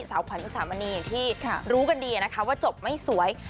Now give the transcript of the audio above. สาวขวัญอุสามณีอย่างที่รู้กันดีนะคะว่าจบไม่สวย